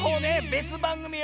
べつばんぐみよ。